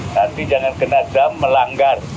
nanti jangan ke nadab melanggar